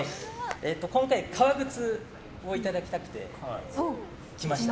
今回、革靴をいただきたくて来ました。